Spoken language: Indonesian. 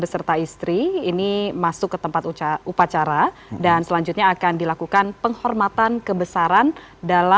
ya ini kita dengarkan bersama